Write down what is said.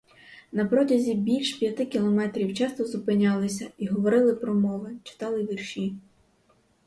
На протязі більш п'яти кілометрів часто зупинялися і говорили промови, читали вірші.